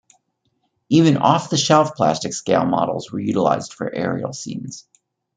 Even off-the-shelf plastic scale models were utilized for aerial scenes.